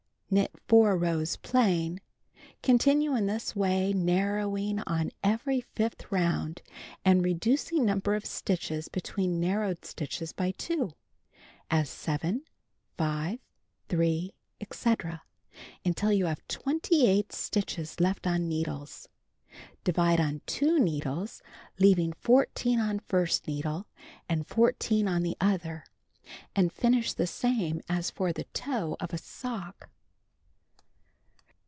Knit 4 rows plain. Con tinue in this way, narrowing on every fifth round and reducing nimiber of stitches Ix'tween narrowed stitches by 2 (as 7, 5, 3, etc.) imtil you have 28 stitches left on needles. Divide on 2 needles, having 14 on first needle and 14 on the other, and finish the same as for the toe of a sock.